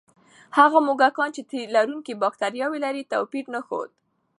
هغه موږکان چې د تیلرونکي بکتریاوې لري، توپیر نه ښود.